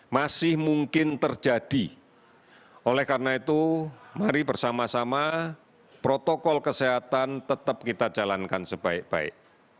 masih mungkin terjadi oleh karena itu mari bersama sama protokol kesehatan tetap kita jalankan sebaik baik